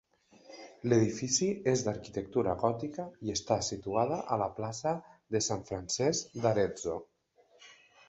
L'edifici és d'arquitectura gòtica i està situada a la plaça de Sant Francesc d'Arezzo.